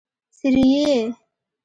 څرې يې؟